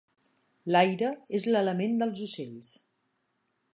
L'aire és l'element dels ocells.